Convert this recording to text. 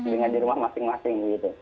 dengan di rumah masing masing gitu